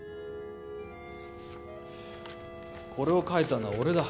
これを書いたのは俺だ。